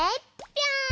ぴょん！